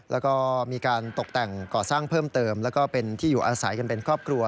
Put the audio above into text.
แล้วก็มีการตกแต่งก่อสร้างเพิ่มเติมแล้วก็เป็นที่อยู่อาศัยกันเป็นครอบครัว